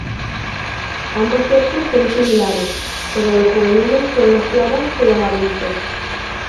Ambos sexos son similares, pero los juveniles son más claros que los adultos.